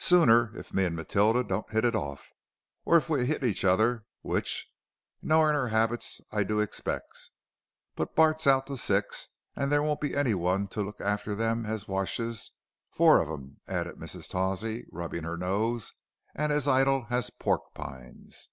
"Sooner, if me an' Matilder don't hit if orf, or if we hit each other, which, knowin' 'er 'abits, I do expects. But Bart's out till six, and there won't be anyone to look arter them as washes four of 'em," added Mrs. Tawsey, rubbing her nose, "and as idle as porkpines."